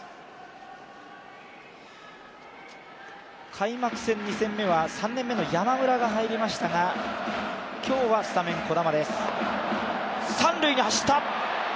開幕戦２戦目は３年目の山村が入りましたが今日はスタメン・児玉です。